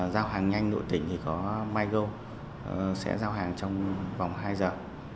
giao hàng nhanh nội tỉnh thì có mygo sẽ giao hàng trong vòng hai giờ